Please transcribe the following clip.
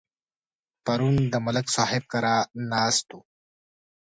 پرون د ملک صاحب کره ناست وو.